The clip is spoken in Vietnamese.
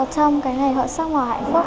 trong ngày hội sắc màu hạnh phúc